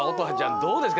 どうですか？